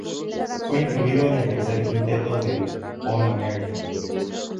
Fue incluido en el tercer quinteto del All-American.